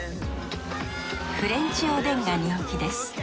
フレンチおでんが人気です。